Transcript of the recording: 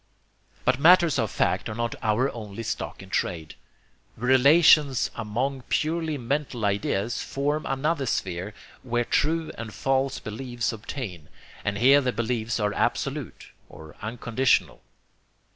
But matters of fact are not our only stock in trade. RELATIONS AMONG PURELY MENTAL IDEAS form another sphere where true and false beliefs obtain, and here the beliefs are absolute, or unconditional.